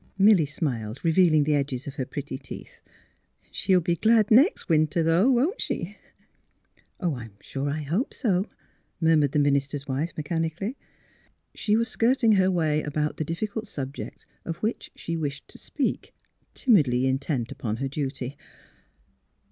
Milly smiled, revealing the edges of her pretty teeth. " She'll be glad next winter though; won't she?" ''I'm sure I hope so," murmured the minister's wife, mechanically. She was skirting her way about the difficult subject of which she wished to speak, timidly in tent upon her duty.